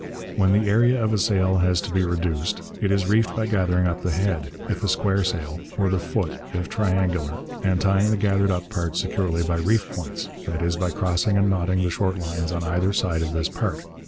When the area of a sail has to be reduced, it is reefed by gathering up the head, if a square sail, or the foot, if triangular, and tying the gathered up part securely by reef points, that is, by crossing and knotting the short lines on either side of this part.